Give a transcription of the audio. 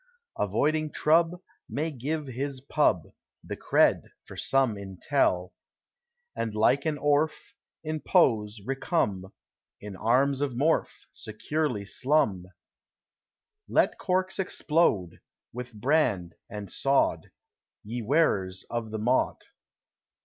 Avoiding troub: May give his pub: The cred: for some intell: And like an orph: In pose recumb: In arms of Morph: Securely slumb: Let corks explode: With brand: and sod: Ye wearers of the mot